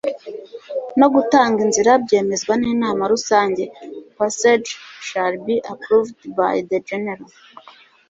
no gutanga inzira byemezwa n inama rusange passage shall be approved by the general